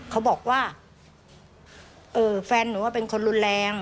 เขาบอกว่าแฟนหนูเป็นคนรุนแรง